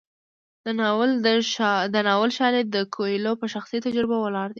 د ناول شالید د کویلیو په شخصي تجربو ولاړ دی.